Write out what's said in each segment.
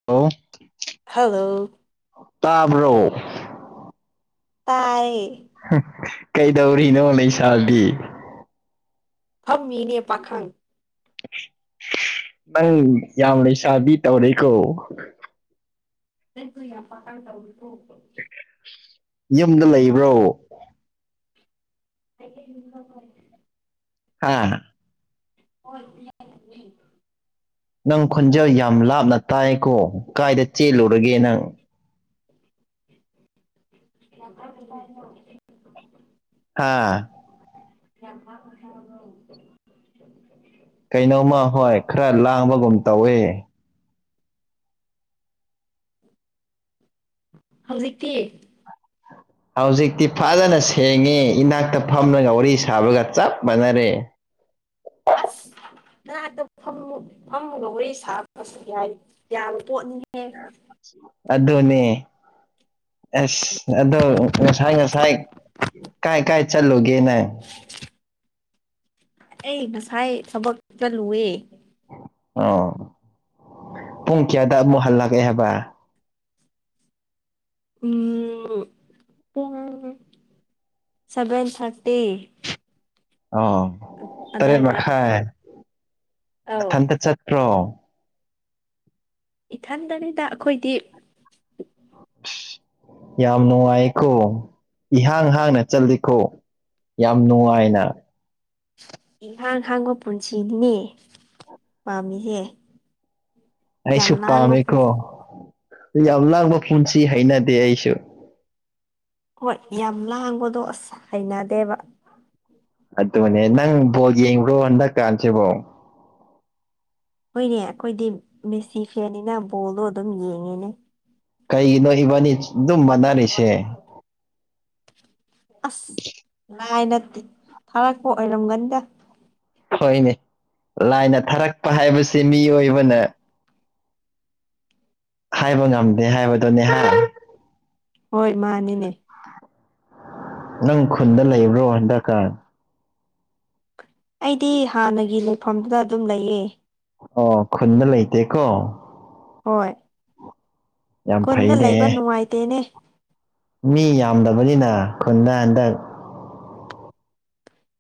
ꯍꯜꯂꫭ ꯍꯜꯂꯣ ꯇꯥꯕ꯭ꯔꫭ ꯇꯥꯏꯌꯦ ꯀꯩꯗꯧꯔꯤꯅꯣ ꯅꯩ ꯁꯥꯕꯤ ꯐꯝꯃꯤꯅꯦ ꯄꯥꯈꯪ ꯅꯪ ꯌꯥꯝ ꯂꯩ ꯁꯥꯥꯕꯤ ꯇꯧꯔꯦꯀꯣ ꯅꯪꯁꯨ ꯌꯥꯝ ꯄꯥꯈꯪ ꯇꯧꯔꯤꯀꫭ ꯌꯨꯝꯗ ꯂꯩꯕ꯭ꯔꯣ ꯑꯩ ꯍ ꯍꯥ ꯑꯣ ꯍ ꯎ ꯅꯪ ꯈꯣꯟꯖꯦꯜ ꯌꯥꯝ ꯂꯥꯞꯅ ꯇꯥꯏꯀꯣ ꯀꯥꯏꯗ ꯆꯦꯜꯂꯨꯔꯒꯦ ꯅꯪ [unintelligible] ꯍꯥꯥ [inaudible] ꯀꯩꯅꯣꯝꯃ ꯍꯣꯏ ꯈꯔ ꯂꯥꯡꯕꯒꯨꯝ ꯇꯧꯋꯦ ꯍꯧꯖꯤꯛꯇꯤ ꯍ ꯍꯧꯖꯤꯛꯇꯤ ꯐꯖꯅ ꯁꯦꯡꯉꯦ ꯏꯅꯥꯛꯇ ꯐꯝꯂꯒ ꯋꯥꯔꯤ ꯁꯥꯕꯒ ꯆꯞ ꯃꯥꯟꯅꯔꯦ ꯑꯁ ꯉꯅꯥꯛꯇ ꯐꯝꯃ ꯐꯝꯃꯨꯒ ꯍꯣꯔꯩ ꯁꯥꯁꯨ ꯌꯥꯏ ꯌꯥꯕ ꯄꯣꯠꯅꯤꯍꯦ ꯑꯗꯨꯅꯦ ꯑꯁ ꯑꯗꯣ ꯉꯁꯥꯏ ꯉꯁꯥꯏ ꯀꯥꯏ ꯀꯥꯏ ꯆꯜꯂꯨꯒꯦ ꯅ ꯑꯩ ꯉꯁꯥꯏ ꯊꯕꯛ ꯆꯠꯂꯨꯑꯦ ꯑ ꯄꯨꯡ ꯀꯌꯥꯗ ꯑꯃꯨꯛ ꯍꯜꯂꯛꯀꯦ ꯍꯥꯏꯕ ꯁꯚꯦꯟ ꯊꯥꯔꯇꯤ ꯑ ꯇꯔꯦꯠ ꯑꯗꯥꯏꯗ ꯃꯈꯥꯏ ꯑꯧ ꯃꯊꯟꯇ ꯆꯠꯇ꯭ꯔꯣ ꯏꯊꯟꯗꯕꯤꯗ ꯑꯩꯈꯣꯏꯗꯤ ꯌꯥꯝ ꯅꯨꯡꯉꯥꯏꯀꯣ ꯏꯍꯥꯡ ꯍꯥꯡꯅ ꯆꯠꯂꯤꯈꯣ ꯌꯥꯝ ꯅꯨꯡꯉꯥꯏꯅ ꯏꯟꯈꯥꯡ ꯍꯥꯡꯕ ꯄꯨꯟꯁꯤꯅꯤꯅꯦ ꯄꯥꯝꯃꯤꯍꯦ ꯑꯩꯁꯨ ꯄꯥꯝꯃꯦꯀꯣ ꯌꯥꯝ ꯂꯥꯡꯕ ꯄꯨꯟꯁꯤ ꯍꯩꯅꯗꯦ ꯑꯩꯁꯨ ꯍꯣꯏ ꯌꯥꯝ ꯂꯥꯡꯕꯗꯣ ꯑꯁ ꯍꯩꯅꯗꯦꯕ ꯑꯗꯨꯅꯦ ꯅꯪ ꯕꯣꯜ ꯌꯦꯡꯕ꯭ꯔꯣ ꯍꯟꯗꯛ ꯀꯥꯟꯁꯤꯕꯣ ꯍꯣꯏꯅꯦ ꯑꯩꯈꯣꯏꯗꯤ ꯃꯦꯁꯤꯐꯤꯌꯥꯅꯤꯅ ꯕꯣꯜꯗꯣ ꯑꯗꯨꯝ ꯌꯦꯡꯉꯦꯅꯦ ꯀꯩꯒꯤꯅꯣ ꯏꯕꯥꯅꯤ ꯑꯗꯨꯝ ꯃꯥꯟꯅꯔꯤꯁꯦ ꯑꯁ ꯂꯥꯏ ꯅꯠꯇꯦ ꯊꯥꯔꯛꯄ ꯑꯣꯏꯔꯝꯒꯅꯤꯗ ꯍꯣꯏꯅꯦ ꯂꯥꯏꯅ ꯊꯥꯔꯛꯄ ꯍꯥꯏꯕꯁꯦ ꯃꯤꯑꯣꯏꯕꯅ ꯍꯥꯏꯕ ꯉꯝꯗꯦ ꯍꯥꯏꯕꯗꯨꯅꯦꯍ ꯍꯣꯏ ꯃꯥꯅꯤꯅꯦ ꯅꯪ ꯈꯨꯟꯗ ꯂꯩꯕ꯭ꯔꯣ ꯍꯟꯗꯛꯀꯥ ꯑꯩꯗꯤ ꯍꯥꯟꯅꯒꯤ ꯂꯩꯐꯝꯗꯨꯗ ꯑꯗꯨꯝ ꯂꯩꯌꯦ ꯑꯣ ꯈꯨꯟꯅ ꯂꯩꯇꯦꯀꯣ ꯍꯣꯏ ꯌꯥꯝ ꯈꯨꯟꯗ ꯂꯩꯕ ꯐꯩꯅꯦ ꯅꯨꯡꯉꯥꯏꯇꯦꯅꯦ ꯃꯤ ꯌꯥꯝꯗꯕꯅꯤꯅ ꯈꯨꯟꯗ ꯍꯟꯗꯛ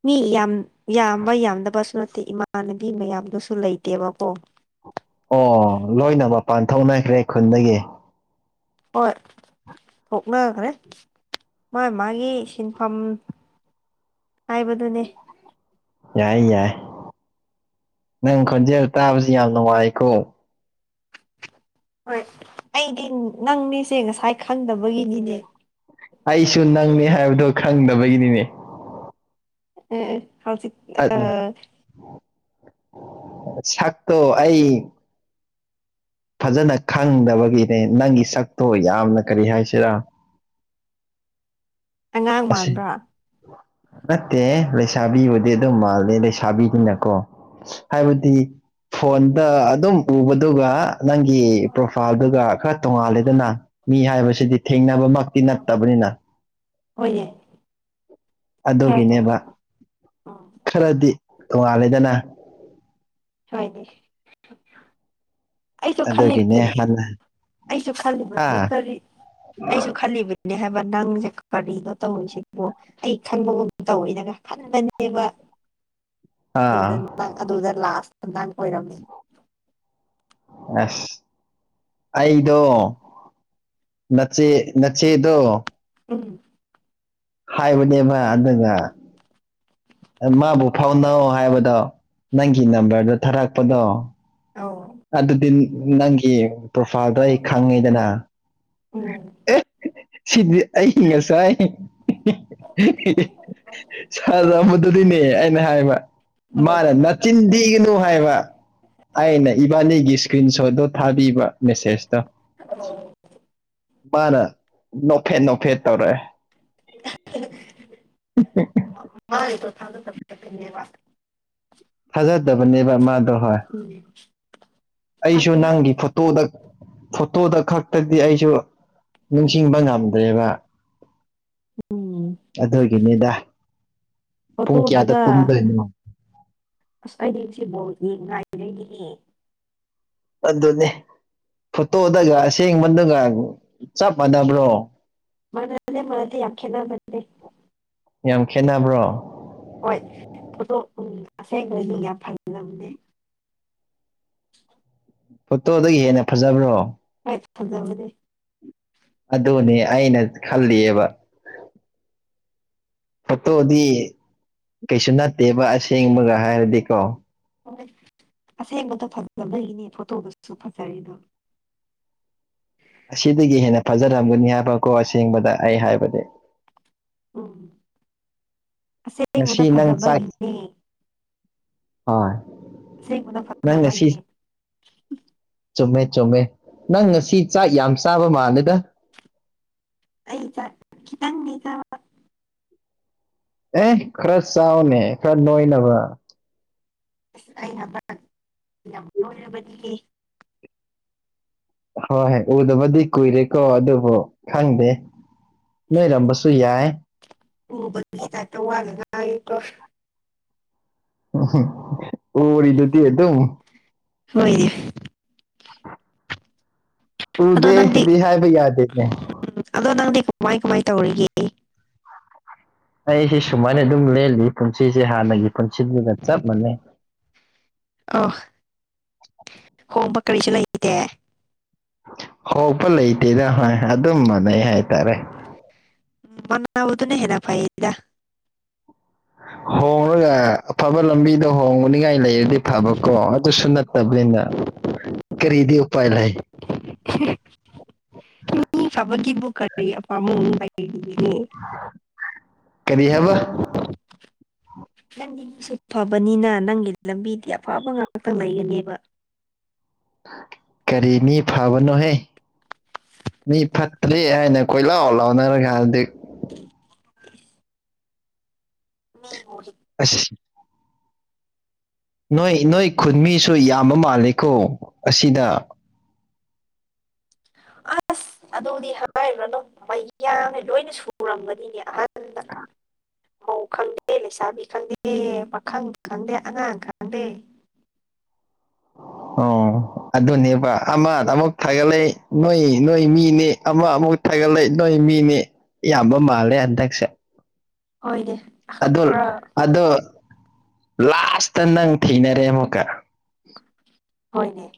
ꯃꯤ ꯌꯥꯝ ꯌꯥꯝꯕ ꯌꯥꯝꯗꯕꯁꯨ ꯅꯠꯇꯦ ꯏꯃꯥꯟꯅꯕꯤ ꯃꯌꯥꯝꯗꯨꯁꯨ ꯂꯩꯇꯦꯕꯀꯣ ꯑꯣ ꯂꯣꯏꯅꯕ ꯄꯥꯟꯊꯧꯅꯈ꯭ꯔꯦ ꯈꯨꯟꯗꯒꯤ ꯍꯣꯏ ꯊꯣꯛꯅꯈ꯭ꯔꯦ ꯃꯣꯏ ꯃꯥꯒꯤ ꯁꯤꯟꯐꯝ ꯍꯥꯏꯕꯗꯨꯅꯦ ꯌꯥꯏ ꯌꯥꯏ ꯅꯪ ꯈꯣꯟꯖꯦꯜ ꯇꯥꯕꯁꯤ ꯌꯥꯝ ꯅꯨꯡꯉꯥꯏꯀꯣ ꯍꯣꯏ ꯑꯩꯗꯤ ꯅꯪ ꯃꯤꯁꯦ ꯉꯁꯥꯏ ꯈꯪꯗꯕꯒꯤꯅꯤꯅꯦ ꯑꯩꯁꯨ ꯅꯪꯅꯤ ꯍꯥꯏꯕꯗꯨꯣ ꯈꯪꯗꯕꯒꯤꯅꯤꯅꯦ ꯎ ꯍꯥꯎ ꯆꯤ ꯁꯥꯛꯛꯇꯣ ꯑꯩ ꯐꯖꯅ ꯈꯪꯗꯕꯒꯤꯅꯦ ꯅꯪꯒꯤ ꯁꯛꯇꯣ ꯌꯥꯝꯅ ꯀꯔꯤ ꯍꯥꯏꯁꯤꯔꯥ ꯑꯉꯥꯡ ꯑꯁꯤ ꯃꯥꯟꯕ꯭ꯔꯥ ꯅꯠꯇꯦ ꯂꯩꯁꯥꯕꯤꯕꯨꯗꯤ ꯑꯗꯨꯝ ꯃꯥꯂꯦ ꯂꯩꯁꯥꯕꯤꯗꯨꯅꯀꯣ ꯍꯥꯏꯕꯗꯤ ꯐꯣꯟꯗ ꯑꯗꯨꯝ ꯎꯕꯗꯨꯒ ꯅꯪꯒꯤ ꯄ꯭ꯔꯣꯐꯥꯏꯜꯗꯨꯒ ꯈꯔ ꯇꯣꯡꯉꯥꯜꯂꯦꯗꯅ ꯃꯤ ꯍꯥꯏꯕꯁꯤꯗꯤ ꯊꯦꯡꯅꯕꯃꯛ ꯇꯤ ꯅꯛꯇꯕꯅꯤꯅ ꯍꯣꯏꯅꯦ ꯈꯔ ꯑꯗꯨꯒꯤꯅꯦꯕ ꯇꯣꯛꯑꯣ ꯎꯝ ꯈꯔꯗꯤ ꯇꯣꯡꯉꯥꯜꯂꯦꯗꯅ ꯍꯅꯦ ꯑꯩꯁꯨ ꯑꯗꯨꯒꯤꯅꯦ ꯈꯜꯂꯤꯕꯗꯨꯅꯦ ꯍꯥꯟꯅ ꯑꯩꯁꯨ ꯈꯜꯂꯤꯕꯗꯨꯅꯤ ꯍꯥ ꯀꯔꯤ ꯑꯩꯁꯨ ꯈꯜꯂꯤꯕꯅꯤ ꯅꯦ ꯍꯥꯏꯕ ꯅꯪꯁꯦ ꯀꯔꯤꯅꯣ ꯇꯧꯔꯤꯁꯤꯕꯣ ꯑꯩ ꯈꯟꯕꯒꯨꯝ ꯇꯧꯋꯤꯗꯒ ꯐꯕꯅꯦꯕ ꯑꯥ ꯑꯗꯨꯗ ꯑꯗꯨꯗ ꯂꯥꯁꯇꯪ ꯑꯣꯏꯔꯝꯃꯤ ꯑꯁ ꯑꯩꯗꯣ ꯅꯆꯦ ꯅꯆꯦꯗꯣ ꯎꯝ ꯍꯥꯏꯕꯅꯦꯕ ꯑꯗꯨꯒ ꯃꯥꯕꯨ ꯐꯥꯎꯅꯧ ꯍꯥꯏꯕꯗꯣ ꯅꯪꯒꯤ ꯅꯝꯕꯔꯗꯣ ꯊꯥꯔꯛꯄꯗꯣ ꯑ ꯑꯗꯨꯗꯤ ꯅꯪꯒꯤ ꯄ꯭ꯔꯣꯐꯥꯏꯜꯗꯣ ꯑꯩ ꯈꯪꯉꯤꯗꯅ ꯑꯣꯝ ꯁꯤꯗꯤ ꯑꯩ ꯉꯁꯥꯏ ꯐꯖꯕꯗꯨꯗꯤꯅꯦ ꯑꯩꯅ ꯍꯥꯏꯕ ꯑꯧ ꯃꯥꯅ ꯅꯆꯤꯟꯗꯤꯒꯅꯨ ꯍꯥꯏꯕ ꯑꯩꯅ ꯏꯕꯥꯅꯤꯒꯤ ꯏꯁꯀ꯭ꯔꯤꯟ ꯁꯣꯠꯇꯣ ꯊꯥꯕꯤꯕ ꯃꯦꯁꯦꯁꯇꯣ ꯑ ꯃꯥꯅ ꯅꯣꯐꯦꯠ ꯅꯣꯐꯦꯠ ꯇꯧꯔꯑꯦ ꯃꯥ ꯊꯒ ꯊꯥꯖꯗꯕꯅꯦꯕ ꯃꯥꯗꯣ ꯍꯣꯏ ꯎꯝ ꯑꯩꯁꯨ ꯈꯟꯈꯠ ꯅꯪꯒꯤ ꯐꯣꯇꯣꯗ ꯐꯣꯇꯣꯗ ꯈꯛꯇꯗꯤ ꯑꯩꯁꯨ ꯅꯤꯡꯁꯤꯡꯕ ꯉꯝꯗ꯭ꯔꯦꯕ ꯎꯝ ꯑꯗꯨꯒꯤꯅꯤꯗ ꯄꯨꯡ ꯀꯌꯥꯗ ꯐꯣꯇꯣꯗꯒ ꯇꯨꯝꯗꯣꯏꯅꯣ ꯑꯁ ꯑꯗꯤꯁꯤ ꯕꯣꯠꯗꯤ ꯉꯥꯏꯔꯅꯤ ꯑꯗꯨꯅꯤ ꯐꯣꯇꯣꯗꯒ ꯑꯁꯦꯡꯕꯗꯨꯒ ꯆꯞ ꯃꯥꯟꯅꯕ꯭ꯔꯣ ꯃꯅꯥꯦ ꯃꯗꯤ ꯑꯈꯌꯥ ꯅꯟꯅꯤ ꯌꯥꯝ ꯈꯦꯠꯅꯕ꯭ꯔꯣ ꯍꯣꯏ ꯐꯣꯇꯣꯛ ꯑꯁꯦꯡꯕꯣꯏ ꯃꯤ ꯌꯥꯝ ꯐꯪꯂꯝꯕꯅꯦ ꯐꯣꯇꯣꯗꯒꯤ ꯍꯦꯟꯅ ꯐꯖꯕ꯭ꯔꯣ ꯍꯥꯏꯥꯏ ꯐꯗꯕꯦ ꯑꯗꯨꯅꯦ ꯑꯩꯅ ꯈꯜꯂꯤꯑꯕ ꯍꯠꯇꯣꯗꯤ ꯀꯩꯁꯨ ꯅꯠꯇꯦꯕ ꯑꯁꯦꯡꯕꯒ ꯍꯥꯏꯔꯗꯤꯀꯣ ꯍ ꯑꯁꯦꯡꯕꯗꯣ ꯐꯖꯕꯒꯤꯅꯤ ꯐꯣꯇꯣꯗꯨꯁꯨ ꯐꯖꯔꯤꯦꯗ ꯁꯤꯗꯤꯗꯒꯤ ꯍꯦꯅ ꯐꯖꯔꯝꯒꯅꯤ ꯍꯥꯏꯕꯀꯣ ꯑꯁꯦꯡꯕꯗ ꯑꯩ ꯍꯥꯏꯕꯗꯤ ꯎꯝ ꯑꯁꯦꯡꯕꯗ ꯉꯁꯤ ꯅꯪ ꯆꯥꯛ ꯐꯖꯕꯒꯤꯅꯦ ꯍꯣꯏ ꯁꯤ ꯃꯗ ꯅꯪ ꯉꯁꯤ ꯐꯔꯗꯕꯒꯤꯅꯦ ꯆꯨꯝꯃꯦ ꯆꯨꯝꯃꯦ ꯅꯪ ꯉꯁꯤ ꯆꯥꯛ ꯌꯥꯝ ꯆꯥꯕ ꯃꯥꯜꯂꯦꯗ ꯑꯩ ꯆꯠ ꯈꯤꯇꯪꯅꯤꯖ ꯑꯦ ꯈꯔ ꯆꯥꯎꯅꯦ ꯈꯔ ꯅꯣꯏꯅꯕ ꯑꯁ ꯑꯩꯅ ꯌꯥꯝ ꯂꯣꯏꯔꯕꯗꯤ ꯍꯣꯏ ꯍꯣꯏ ꯎꯗꯕꯗꯤ ꯀꯨꯏꯔꯦꯀꯣ ꯑꯗꯨꯕꯨ ꯈꯪꯗꯦ ꯅꯣꯏꯔꯝꯝꯕꯁꯁꯨ ꯌꯥꯏ ꯑꯣꯕꯒꯤ ꯇꯥꯏꯇ ꯋꯥꯂꯒꯀꯣ ꯑꯣꯔꯤꯗꯨꯇ ꯍ ꯇ ꯍꯣꯏꯅꯦ ꯎꯗꯦ ꯍꯥꯏꯕꯩ ꯌꯥꯗꯦꯦ ꯎꯝ ꯑꯗꯣ ꯅꯪꯗꯤ ꯀꯃꯥꯏ ꯀꯃꯥꯏ ꯇꯧꯔꯤꯒꯦ ꯑꯩꯁꯤꯦ ꯁꯨꯃꯥꯏꯅ ꯑꯗꯨꯝ ꯂꯦꯜꯂꯤ ꯄꯨꯟꯁꯤꯁꯦ ꯍꯥꯟꯅꯒꯤ ꯄꯨꯟꯁꯤꯗꯨꯒ ꯆꯞ ꯃꯥꯟꯅꯩ ꯑ ꯍꯣꯡꯕ ꯀꯔꯤꯁꯨ ꯂꯩꯇꯦ ꯍꯄ ꯂꯩꯇꯦꯅ ꯍꯣꯏ ꯑꯗꯨꯝ ꯃꯥꯟꯅꯩ ꯍꯥꯏꯇꯥꯔꯦ ꯎ ꯃꯗꯨ ꯅ ꯍꯦꯅ ꯐꯥꯏꯗ ꯍꯣꯡꯉꯒ ꯑꯐꯕ ꯂꯝꯕꯤꯗ ꯍꯣꯡꯕꯅꯤꯉꯥꯏ ꯂꯩꯔꯗꯤ ꯐꯕꯀꯣ ꯑꯗꯨꯁꯨ ꯅꯠꯇ ꯇꯕꯅꯤꯅ ꯀꯔꯤꯗꯤ ꯎꯄꯥꯏ ꯂꯩ ꯃꯤ ꯐꯕꯒꯤꯕꯨ ꯀꯔꯤ ꯑꯄꯥꯝꯕꯨꯡꯅꯨꯡ ꯂꯩꯅꯤ ꯍꯥ ꯅꯪꯁꯨ ꯐꯕꯅꯤꯅ ꯅꯪꯒꯤ ꯂꯝꯕꯤꯗꯤ ꯑꯐꯕ ꯉꯥꯛꯇꯪ ꯂꯩꯒꯅꯦꯕ ꯀꯔꯤ ꯃꯤ ꯐꯥꯕꯅꯣꯍꯦ ꯃꯤ ꯐꯠꯇ꯭ꯔꯦ ꯍꯥꯏꯅ ꯀꯣꯏ ꯂꯥꯎ ꯂꯥꯎꯅꯔꯒ ꯍꯧꯖꯤꯛ [inaudible] ꯎꯝ ꯑꯁ ꯅꯣꯏ ꯅꯣꯏ ꯈꯨꯟꯃꯤꯁꯨ ꯌꯥꯝꯕ ꯃꯥꯜꯂꯤꯀꯣ ꯑꯁꯤꯗ ꯑꯁ ꯑꯗꯨꯗꯤ ꯍꯥꯏꯔꯤꯕꯅꯣ ꯃꯅꯦ ꯂꯣꯏꯅ ꯁꯨꯔꯝꯕꯅꯤꯅꯦ ꯑꯍ ꯃꯧ ꯈꯪꯗꯦ ꯂꯩꯁꯥꯕꯤ ꯈꯪꯗꯦ ꯄꯥꯈꯪ ꯈꯪꯗꯦ ꯑꯉꯥꯡ ꯈꯪꯗꯦ ꯑꯣ ꯑꯗꯨꯅꯦꯕ ꯑꯃ ꯑꯃꯨꯛ ꯊꯥꯒꯠꯂꯛꯏ ꯅꯣꯏ ꯅꯣꯏ ꯃꯤꯅꯦ ꯑꯃ ꯑꯃꯨꯛ ꯐꯒꯠꯂꯛꯏ ꯅꯣꯏ ꯃꯤꯅꯤ ꯏꯕ ꯃꯥꯜꯂꯦ ꯍꯟꯗꯛꯁꯦ ꯍꯣꯏꯅꯦ ꯑꯗꯣ ꯈꯔ ꯑꯗꯣ ꯂꯥꯁꯇ ꯅꯪ ꯊꯦꯡꯅꯔꯦ ꯑꯃꯨꯛꯀ ꯍꯣꯏꯅꯦ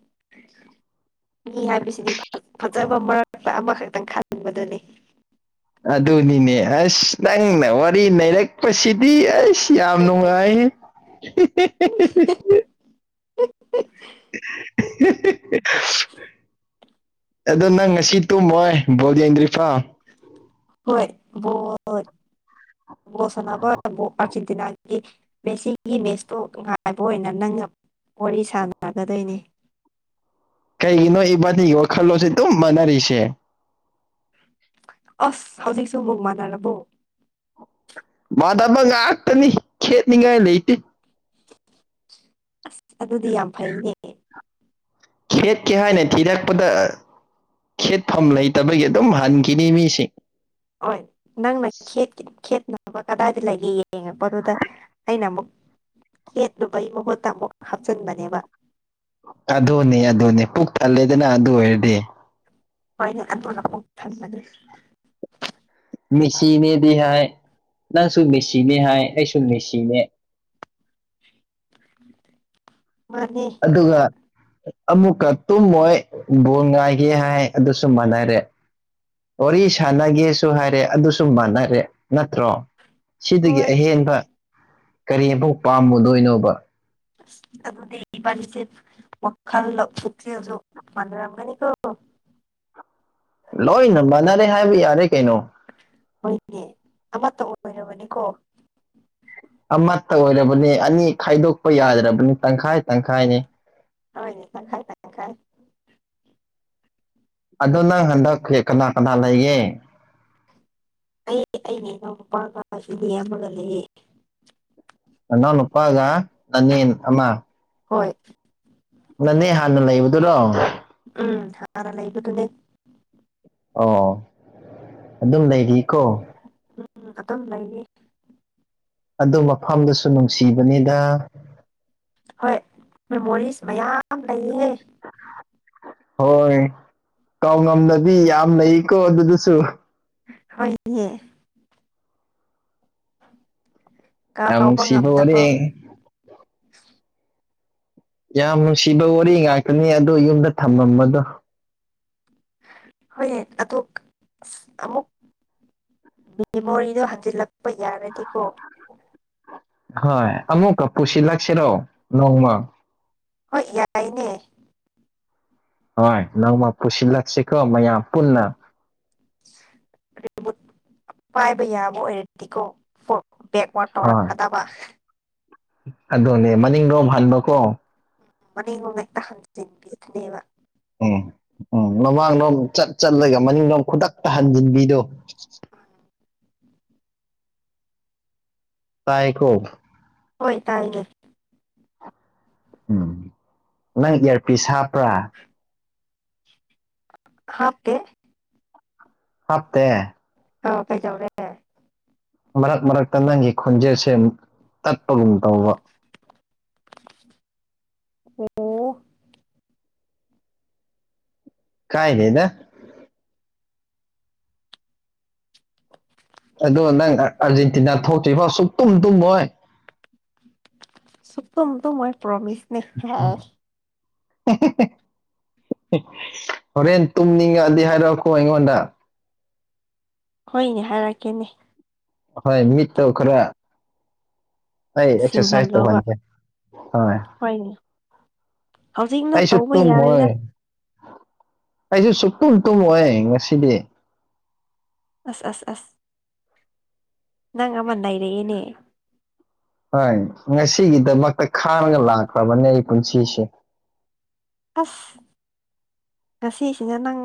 ꯃꯤ ꯍꯥꯏꯕꯁꯤꯗꯤ ꯐꯖꯕ ꯃꯔꯛꯇ ꯑꯃꯈꯛꯇꯪ ꯈꯜ ꯎꯕꯗꯥꯅꯤ ꯑꯗꯨꯅꯤꯅꯦ ꯑꯁ ꯅꯪꯅ ꯋꯥꯔꯤ ꯅꯔꯛꯄꯁꯤꯗꯤ ꯑꯁ ꯌꯥꯝ ꯅꯨꯡꯉꯥꯏ [unintelligible] [inaudible] [unintelligible] ꯑꯗꯣ ꯅꯪ ꯉꯁꯤ ꯇꯨꯝꯃꯣꯏ ꯕꯣꯜ ꯌꯦꯡꯗ꯭ꯔꯤꯐꯥꯎ ꯍꯣꯏ ꯕꯣꯜ ꯕꯣꯜ ꯁꯥꯟꯅꯕ ꯑꯔꯖꯦꯟꯇꯤꯅꯥꯒꯤ ꯃꯦꯁꯤꯒꯤ ꯃꯦꯁꯇꯨ ꯉꯥꯏꯕ ꯑꯣꯏꯅ ꯅꯪꯅ ꯋꯥꯔꯤ ꯁꯥꯟꯅꯒꯗꯣꯏꯅꯦ ꯀꯩꯒꯤꯅꯣ ꯏꯕꯥꯅꯤꯒꯤ ꯈꯜꯂꯣꯖꯦ ꯑꯗꯨꯝ ꯃꯥꯟꯅꯔꯤꯁꯦ ꯑꯁ ꯍꯧꯖꯤꯛꯁꯨꯕꯣꯛ ꯃꯥꯅꯔꯕꯣ ꯃꯥꯗꯕ ꯉꯥꯛꯇꯅꯤ ꯈꯦꯠꯅꯤꯉꯥꯏ ꯂꯩꯇꯦ ꯑꯁ ꯑꯗꯨꯗꯤ ꯌꯥꯝ ꯐꯩꯅꯦ ꯈꯦꯠꯀꯦ ꯍꯥꯏꯅ ꯊꯤꯔꯛꯄꯗ ꯈꯦꯠꯐꯝ ꯂꯩꯇꯕꯒꯤ ꯑꯗꯨꯝ ꯍꯟꯈꯤꯅꯤ ꯃꯤꯁꯤꯡ ꯍꯣꯏ ꯅꯪꯅ ꯈꯦꯠ ꯈꯦꯠꯅꯕ ꯀꯗꯥꯏꯗ ꯂꯩꯒꯦ ꯌꯦꯡꯉꯛꯄꯗꯨꯗ ꯑꯩꯅ ꯑꯃꯨꯛ ꯈꯦꯠꯂꯨꯕꯩ ꯃꯍꯨꯠꯇ ꯑꯃꯨꯛ ꯍꯥꯞꯆꯤꯟꯕꯅꯦꯕ ꯑꯗꯨꯅꯦ ꯑꯗꯨꯅꯦ ꯄꯨꯛ ꯊꯜꯂꯦꯗꯅ ꯑꯗꯨ ꯑꯣꯏꯔꯗꯤ ꯍꯣꯏꯅꯦ ꯑꯗꯨꯅ ꯄꯨꯛ ꯊꯟꯕꯅꯤ ꯃꯦꯁꯤꯅꯦꯗꯤꯍꯥꯏ ꯅꯪꯁꯨꯨ ꯃꯦꯁꯤꯅꯦ ꯍꯥꯏ ꯑꯩꯁꯨ ꯃꯦꯁꯤꯅꯦ ꯃꯥꯅꯦ ꯑꯗꯨꯒ ꯑꯃꯨꯛꯀ ꯇꯨꯝꯃꯣꯏ ꯕꯣꯟ ꯉꯥꯏꯒꯦ ꯍꯥꯏ ꯑꯗꯨꯁꯨ ꯃꯥꯟꯅꯔꯦ ꯋꯥꯔꯤ ꯁꯥꯟꯅꯒꯦꯁꯨ ꯍꯥꯏꯔꯦ ꯑꯗꯨꯁꯨ ꯃꯥꯟꯅꯔꯦ ꯅꯠꯇ꯭ꯔꯣ ꯁꯤꯗꯒꯤ ꯍꯣꯏ ꯑꯍꯦꯟꯕ ꯀꯔꯤ ꯑꯃꯨꯛ ꯄꯥꯝꯃꯨꯗꯣꯏꯅꯣꯕ ꯑꯗꯨꯗꯤ ꯏꯕꯅꯤꯁꯦ ꯋꯥꯜꯂ ꯄꯨꯛꯆꯦꯜꯁꯨ ꯃꯅꯔꯝꯒꯅꯤ ꯀꯣ ꯂꯣꯏꯅ ꯃꯥꯟꯅꯔꯦ ꯍꯥꯏꯕ ꯌꯥꯔꯦ ꯀꯩꯅꯣ ꯍꯣꯏꯅꯦ ꯑꯃꯠꯇ ꯑꯣꯏꯔꯕꯅꯤꯀꯣ ꯑꯃꯠꯇ ꯑꯣꯏꯔꯕꯅ‌ꯦ ꯑꯅꯤ ꯈꯥꯏꯗꯣꯛꯄ ꯌꯥꯗ꯭ꯔꯕꯅꯤ ꯇꯪꯈꯥꯏ ꯇꯪꯈꯥꯏꯅꯤ꯫ ꯍꯣꯏꯅꯦ ꯇꯪꯈꯥꯏ ꯇꯪꯈꯥꯏ ꯑꯗꯨ ꯅꯪ ꯍꯟꯗꯛ ꯀꯅꯥ ꯀꯅꯥ ꯂꯩꯒꯦ ꯑꯩ ꯑꯩꯩꯅꯦ ꯏꯅꯥꯎ ꯅꯨꯄꯥꯒ ꯑꯁꯤꯒꯤ ꯏꯌꯥꯝꯕ ꯑꯃꯒ ꯂꯩꯌꯦ ꯅꯅꯥꯎ ꯅꯨꯄꯥꯒ ꯅꯥꯅꯦꯝ ꯑꯃ ꯍꯣꯏ ꯅꯥꯅꯦ ꯍꯥꯟꯅ ꯂꯩꯕꯗꯨꯔꯣ ꯎꯝ ꯍꯥꯟꯅ ꯂꯩꯕꯗꯨꯅꯦ ꯑꯣ ꯑꯗꯨꯝ ꯂꯩꯔꯤꯀꯣ ꯎꯝ ꯑꯗꯨꯝ ꯂꯩꯅꯤ ꯑꯗꯨ ꯃꯐꯝꯗꯨꯁꯨ ꯅꯨꯡꯁꯤꯕꯅꯤꯗ ꯍꯣꯏ ꯃꯦꯃꯣꯔꯤꯁ ꯃꯌꯥꯝ ꯂꯩꯌꯦ ꯍꯣꯏ ꯀꯥꯎꯉꯝꯗꯕꯤ ꯌꯥꯝ ꯂꯩꯀꯣ ꯑꯗꯨꯗꯨꯁꯨ ꯍꯣꯏ ꯌꯦ ꯌꯥꯝ ꯀꯥꯎꯕ ꯅꯨꯡꯁꯤꯕ ꯋꯥꯔꯤ ꯉꯝꯗꯕ ꯌꯥꯝ ꯅꯨꯡꯁꯤꯕ ꯋꯥꯔꯤ ꯉꯥꯛꯇꯅꯤ ꯑꯗꯣ ꯌꯨꯝꯗ ꯊꯝꯃꯝꯕꯗꯣ ꯍꯣꯏ ꯑꯇꯣꯞ ꯑꯁ ꯑꯃꯨꯛ ꯃꯦꯃꯣꯔꯤꯗꯣ ꯍꯟꯖꯤꯜꯂꯛꯄ ꯌꯥꯔꯗꯤꯀꯣ ꯍꯣꯏ ꯑꯃꯨꯛꯀꯥ ꯄꯨꯁꯤ ꯂꯥꯛꯁꯤꯔꯣ ꯅꯣꯡꯃ ꯍꯣꯏ ꯌꯥꯏꯅꯦ ꯍꯣꯏ ꯅꯣꯡꯃ ꯄꯨꯁꯤꯜꯂꯛꯁꯤꯀꯣ ꯃꯌꯥꯝ ꯄꯨꯟꯅ ꯍꯣꯏ [inaudible] ꯑꯗꯨꯅꯦ ꯃꯅꯤꯡ ꯗꯣꯝ ꯍꯟꯕꯀꯣ ꯃꯅꯤꯡꯂꯣꯝꯗ ꯍꯦꯛꯇ ꯍꯟꯖꯤꯟꯕꯤꯕꯅꯦꯕ ꯎꯝ ꯎꯝ ꯃꯃꯥꯡꯂ‌ꯣꯝ ꯆꯠ ꯆꯠꯂꯒ ꯃꯅꯤꯡꯂꯣꯝ ꯈꯨꯗꯛꯇ ꯍꯟꯖꯟꯕꯤꯗꯣ ꯇꯥꯏꯀꯣ ꯍꯣꯏ ꯇꯥꯏꯅꯦ ꯎꯝ ꯅꯪ ꯏꯌꯥꯔꯄꯤ ꯍꯥꯞꯄ꯭ꯔꯥ [inaudible] ꯍꯥꯞꯀꯦ ꯃꯠꯇꯦ ꯑ ꯀꯩꯖꯧꯒꯦ ꯃꯔꯛ ꯃꯔꯛꯇ ꯅꯪꯒꯤ ꯈꯣꯟꯖꯦꯜꯁꯦ ꯇꯠꯄꯒꯨꯝ ꯇꯧꯕ ꯑꯣ ꯀꯥꯏꯅꯦ ꯅ ꯑꯗꯣ ꯅꯪ ꯑꯥꯔꯖꯦꯟꯇꯤꯅꯥ ꯊꯣꯛꯇ꯭ꯔꯤꯐꯥꯎ ꯁꯨꯛ ꯇꯨꯝ ꯇꯨꯝꯃꯣꯏ ꯁꯨꯀꯝ ꯇ ꯃꯣꯏ ꯄ꯭ꯔꯃꯤꯁꯅꯦ [unintelligible] ꯍꯣꯔꯦꯟ ꯇꯨꯝꯅꯤꯡꯉꯑꯗꯤ ꯍꯥꯏꯔꯛꯑꯣꯀꯣ ꯑꯩꯉꯣꯟꯗ ꯍꯣꯏꯅꯦ ꯍꯥꯏꯔꯛꯀꯦꯅꯦ ꯍꯣꯏ ꯃꯤꯠꯇ ꯈꯔ ꯑꯩ ꯑꯦꯛꯁꯔꯁꯥꯏꯖ ꯐ ꯁꯤꯡꯍꯜꯂꯣꯕ ꯍꯣꯏ ꯍꯣꯏꯅꯦ ꯍꯧꯖꯤꯛꯅ ꯑꯩꯥꯏꯁꯨ ꯇꯧꯕ ꯇꯨ ꯍꯣꯏ ꯌꯥꯔꯣꯏꯗ ꯑꯩꯁꯨꯦ ꯁꯨꯛꯇꯨꯝ ꯇꯨꯝꯃꯦ ꯉꯁꯤꯗꯤ ꯑ ꯑꯁ ꯑꯁ ꯅꯪꯃꯅꯥ ꯏꯗꯦ ꯌꯦꯅꯦ ꯍꯣꯏ ꯉꯁꯤꯒꯤꯗꯃꯛꯇ ꯈꯥꯡꯉꯒ ꯂꯥꯛꯈ꯭ꯔꯕꯅꯦ ꯑꯩ ꯄꯨꯟꯁꯤꯁꯦ ꯐꯁ ꯉꯁꯤꯁꯤꯡꯅ ꯅꯪ